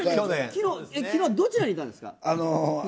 昨日はどちらにいたんですか。